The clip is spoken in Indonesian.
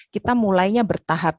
kita mulainya bertahap